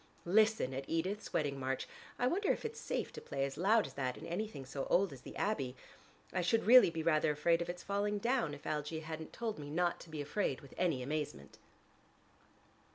Listen at Edith's wedding march! I wonder if it's safe to play as loud as that in anything so old as the Abbey. I should really be rather afraid of its falling down if Algie hadn't told me not to be afraid with any amazement."